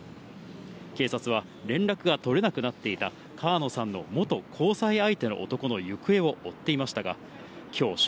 警察は、連絡が取れなくなっていた川野さんの元交際相手の男の行方を追っていましたが、きょう正